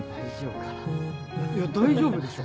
いや大丈夫でしょ。